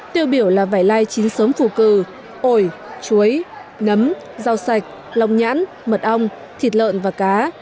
tiêu biểu là vải lai chín sớm phù cử ổi chuối nấm rau sạch lòng nhãn mật ong thịt lợn và cá